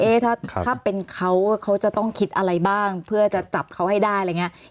ถ้าเป็นเขาเขาจะต้องคิดอะไรบ้างเพื่อจะจับเขาให้ได้อะไรอย่างนี้